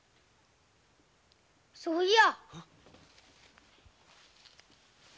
そういや。